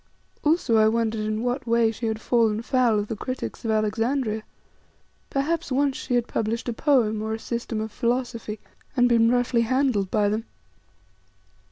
Also I wondered in what way she had fallen foul of the critics of Alexandria. Perhaps once she had published a poem or a system of philosophy and been roughly handled by them!